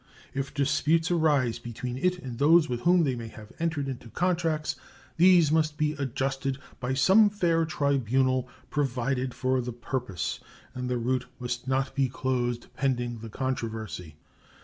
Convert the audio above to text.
If disputes arise between it and those with whom they may have entered into contracts, these must be adjusted by some fair tribunal provided for the purpose, and the route must not be closed pending the controversy.